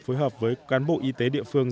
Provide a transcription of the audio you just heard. phối hợp với cán bộ y tế địa phương